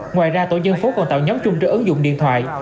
ngoài ra tổ dân phố còn tạo nhóm chung trên ứng dụng điện thoại